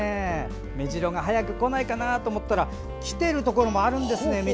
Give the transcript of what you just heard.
メジロが早く来ないかなと思ったら来てるところもあるんですね。